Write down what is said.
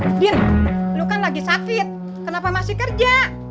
udin lo kan lagi sakit kenapa masih kerja